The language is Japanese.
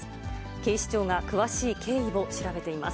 警視庁が詳しい経緯を調べています。